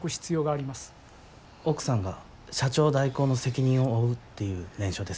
奥さんが社長代行の責任を負うっていう念書です。